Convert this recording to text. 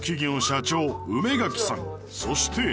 そして